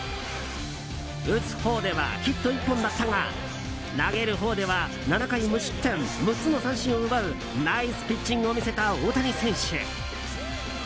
打つほうではヒット１本だったが投げるほうでは７回無失点６つの三振を奪うナイスピッチングを見せた大谷選手。